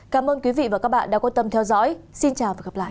cảm ơn quý vị và các bạn đã quan tâm theo dõi xin chào và hẹn gặp lại